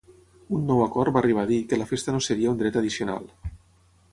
Un nou acord va arribar a dir que la festa no seria un dret addicional.